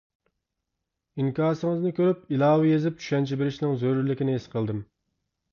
ئىنكاسىڭىزنى كۆرۈپ ئىلاۋە يېزىپ چۈشەنچە بېرىشنىڭ زۆرۈرلۈكىنى ھېس قىلدىم.